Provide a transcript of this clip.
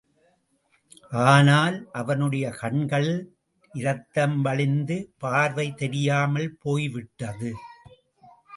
ஆனால் அவனுடைய கண்களில் இரத்தம் வழிந்து பார்வை தெரியாமல் போய்விட்டது.